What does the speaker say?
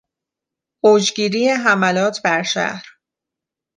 اوجگیری حملات بر شهر